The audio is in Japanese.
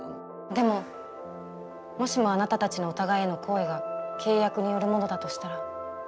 でももしもあなたたちのお互いへの好意が契約によるものだとしたら。